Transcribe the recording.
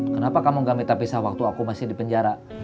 kenapa kamu gak minta pisah waktu aku masih di penjara